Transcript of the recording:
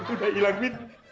udah hilang vin